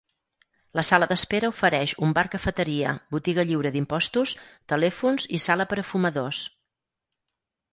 La sala d'espera ofereix un bar-cafeteria, botiga lliure d'impostos, telèfons i sala per a fumadors.